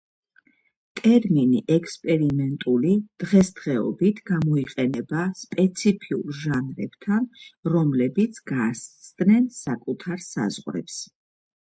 ტერმინი „ექსპერიმენტული“ დღესდღეობით გამოიყენება სპეციფიურ ჟანრებთან, რომლებიც გასცდნენ საკუთარ საზღვრებს.